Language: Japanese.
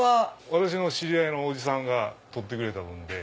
私の知り合いのおじさんが撮ってくれたもんで。